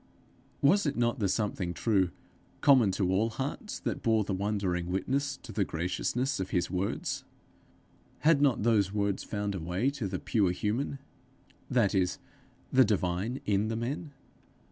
Was it not the something true, common to all hearts, that bore the wondering witness to the graciousness of his words? Had not those words found a way to the pure human, that is, the divine in the men?